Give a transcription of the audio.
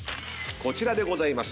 こちらでございます。